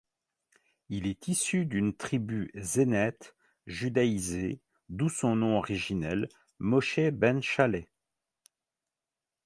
Il est issu d'une tribu Zénète judaïsée, d'où son nom originel, Moshé ben Shaleh.